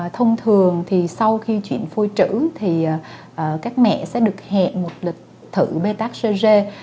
thông thường thì sau khi chuyển phôi trữ thì các mẹ sẽ được hẹn một lịch thử bê tác sơ rê